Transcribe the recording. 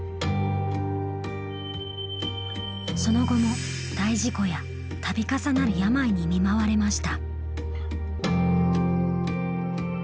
その後も大事故やたび重なる病に見舞われました。